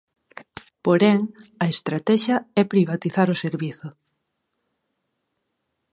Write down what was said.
Porén, a estratexia é privatizar o servizo.